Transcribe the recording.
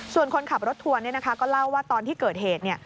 ส่วนคนขับรถทัวร์ก็เล่าว่าตอนที่เกิดเหตุ